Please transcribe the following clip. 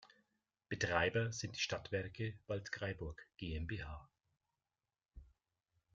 Betreiber sind die Stadtwerke Waldkraiburg GmbH.